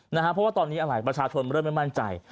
เพราะว่าตอนนี้อะไรประชาชนเริ่มไม่มั่นใจ